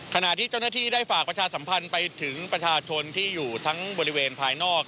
ขณะที่เจ้าหน้าที่ได้ฝากประชาสัมพันธ์ไปถึงประชาชนที่อยู่ทั้งบริเวณภายนอก